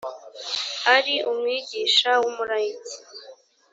ari umwigisha w umulayiki